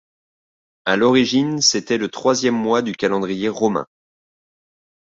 À l’origine, c’était le troisième mois du calendrier romain.